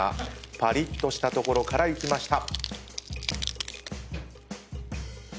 パリッとした所からいきました。